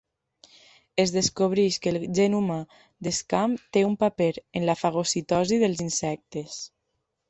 Es descobreix que el gen humà Dscam té un paper en la fagocitosi dels insectes.